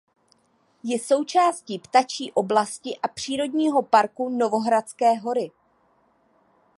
Je součástí Ptačí oblasti a Přírodního parku Novohradské hory.